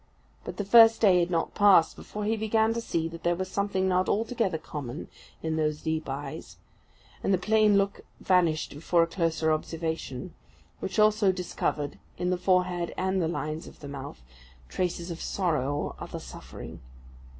But the first day had not passed, before he began to see that there was something not altogether common in those deep eyes; and the plain look vanished before a closer observation, which also discovered, in the forehead and the lines of the mouth, traces of sorrow or other suffering.